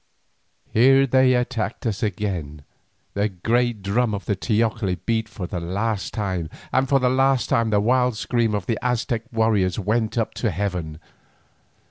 Here they attacked us again. The great drum on the teocalli beat for the last time, and for the last time the wild scream of the Aztec warriors went up to heaven.